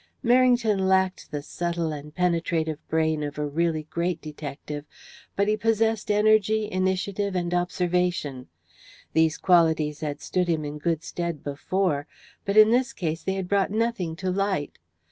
Merrington lacked the subtle and penetrative brain of a really great detective, but he possessed energy, initiative, and observation. These qualities had stood him in good stead before, but in this case they had brought nothing to light.